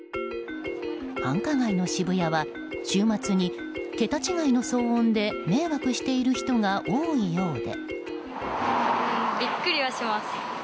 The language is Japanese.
繁華街の渋谷は週末に桁違いの騒音で迷惑している人が多いようで。